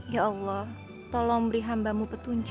ya allah tolong beri hambamu petunjuk